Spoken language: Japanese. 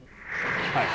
はい。